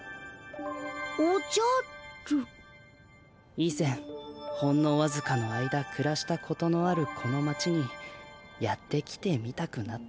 い前ほんのわずかの間くらしたことのあるこの町にやって来てみたくなったのじゃ。